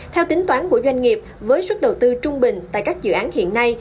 theo tính toán của doanh nghiệp với sức đầu tư trung bình tại các dự án hiện nay